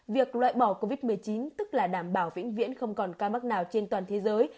việc loại bỏ covid một mươi chín tức là đảm bảo vĩnh viễn không còn ca mắc nào trên toàn thế giới